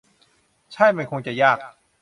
ใช่ มันคงจะยาก